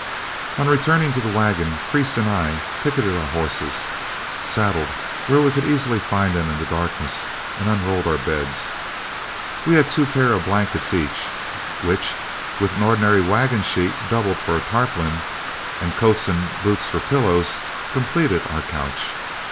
On returning to the wagon, Priest and I picketed our horses, saddled, where we could easily find them in the darkness, and unrolled our bed. We had two pairs of blankets each, which, with an ordinary wagon sheet doubled for a tarpaulin, and coats and boots for pillows, completed our couch.